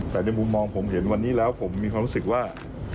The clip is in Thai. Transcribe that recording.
แต่ในมุมมองผมเห็นวันนี้แล้วผมมีความรู้สึกว่า